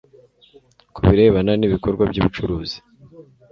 ku birebana n ibikorwa by ubucuruzi